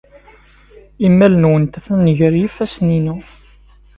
Imal-nwent atan gar yifassen-inu.